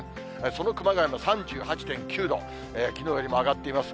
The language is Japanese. その熊谷も３８．９度、きのうよりも上がっています。